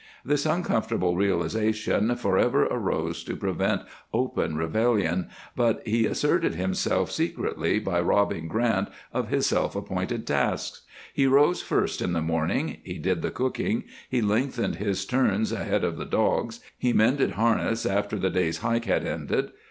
This uncomfortable realization forever arose to prevent open rebellion, but he asserted himself secretly by robbing Grant of his self appointed tasks. He rose first in the mornings, he did the cooking, he lengthened his turns ahead of the dogs, he mended harness after the day's hike had ended.